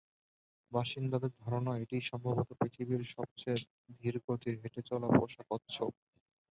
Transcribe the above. বাসিন্দাদের ধারণা, এটিই সম্ভবত পৃথিবীর সবচেয়ে ধীরগতির হেঁটে চলা পোষা কচ্ছপ।